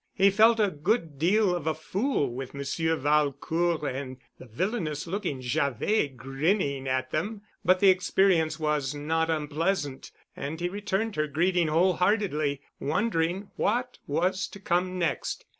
He felt a good deal of a fool with Monsieur Valcourt and the villainous looking Javet grinning at them, but the experience was not unpleasant and he returned her greeting whole heartedly, wondering what was to come next.